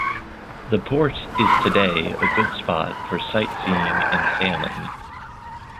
The port is today a good spot for sightseeing and sailing.